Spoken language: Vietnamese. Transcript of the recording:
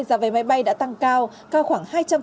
giá vé máy bay đã tăng cao cao khoảng